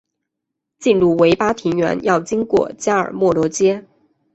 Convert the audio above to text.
进入维巴庭园要经过加尔默罗街。